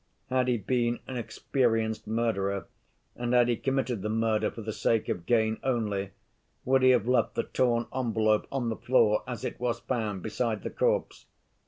Had he been an experienced murderer and had he committed the murder for the sake of gain only, would he have left the torn envelope on the floor as it was found, beside the corpse?